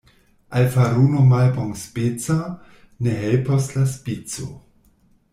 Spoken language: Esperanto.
Al faruno malbonspeca ne helpos la spico.